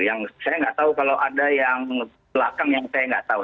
yang saya nggak tahu kalau ada yang belakang yang saya nggak tahu